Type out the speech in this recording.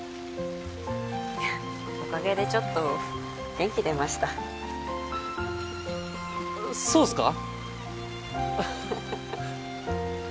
いやおかげでちょっと元気出ましたそうっすか？